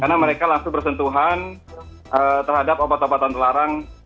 karena mereka langsung bersentuhan terhadap obat obatan telarang